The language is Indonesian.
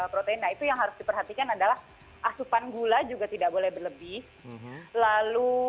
protein itu yang harus diperhatikan adalah asupan gula juga tidak boleh berlebih lalu